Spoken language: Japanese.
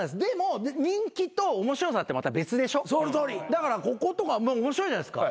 だからこことか面白いじゃないですか。